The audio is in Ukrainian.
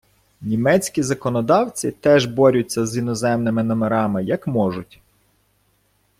Німецькі законодавці теж борються з іноземними номерами, як можуть.